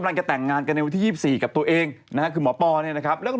ว่าทางนายเก่งนี่